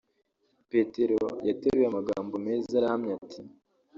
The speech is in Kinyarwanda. Petero yateruye amagambo meza arahamya ati